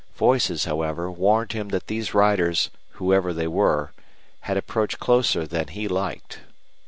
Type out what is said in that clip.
Voices, however, warned him that these riders, whoever they were, had approached closer than he liked.